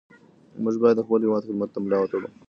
موږ باید د خپل هېواد خدمت ته ملا وتړو.